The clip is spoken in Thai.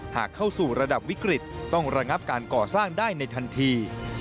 หากเข้าสู่ระดับวิกฤตต้องระงับการก่อสร้างได้ในทันที